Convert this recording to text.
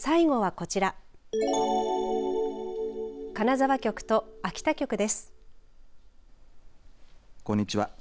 こんにちは。